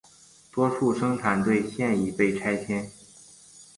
多数生产队现已被拆迁。